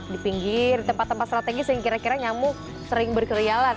di pinggir di tempat tempat strategis yang kira kira nyamuk sering berkerialan